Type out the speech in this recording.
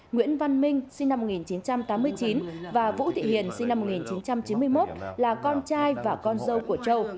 nguyễn văn minh sinh năm một nghìn chín trăm tám mươi chín và vũ thị hiền sinh năm một nghìn chín trăm chín mươi một là con trai và con dâu của châu